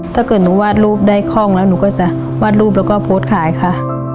ถ้าเกิดหนูวาดรูปได้คล่องแล้วหนูก็จะวาดรูปแล้วก็โพสต์ขายค่ะ